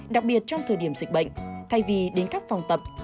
đặc biệt trong thời điểm dịch bệnh thay vì đến các phòng tập